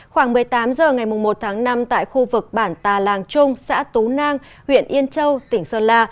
khoảng một mươi tám h ngày một tháng năm tại khu vực bản tà làng trung xã tú nang huyện yên châu tỉnh sơn la